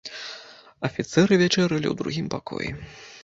Афіцэры вячэралі ў другім пакоі.